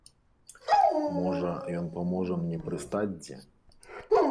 Можа, ён паможа мне прыстаць дзе.